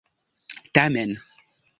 tamen